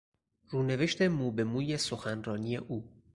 رونوشت موبهموی سخنرانی او